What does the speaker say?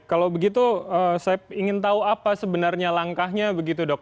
kalau begitu saya ingin tahu apa sebenarnya langkahnya begitu dok